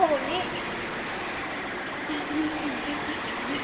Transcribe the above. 休みの日にケンカしたくない。